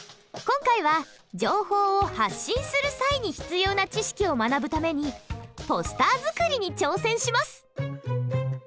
今回は情報を発信する際に必要な知識を学ぶためにポスター作りに挑戦します！